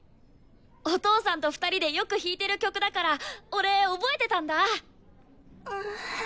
お父さんと２人でよく弾いてる曲だから俺覚えてたんだ。